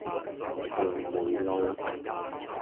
紅梅路